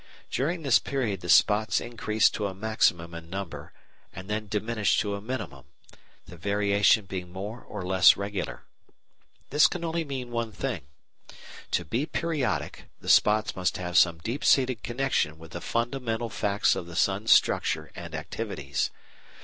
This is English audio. During this period the spots increase to a maximum in number and then diminish to a minimum, the variation being more or less regular. Now this can only mean one thing. To be periodic the spots must have some deep seated connection with the fundamental facts of the sun's structure and activities.